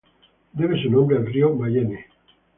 Debe su nombre al río Mayenne.